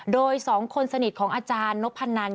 โดย๒คนสนิทของอาจารย์นพนัน